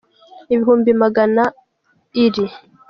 ibihumbi magana iri